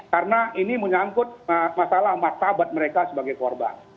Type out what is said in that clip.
karena ini menyangkut masalah martabat mereka sebagai korban